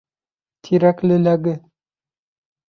— Тирәклеләге.